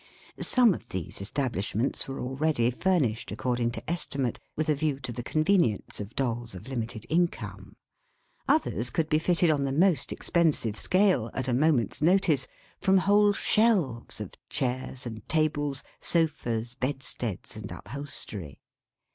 Some of these establishments were already furnished according to estimate, with a view to the convenience of Dolls of limited income; others could be fitted on the most expensive scale, at a moment's notice, from whole shelves of chairs and tables, sofas, bedsteads, and upholstery.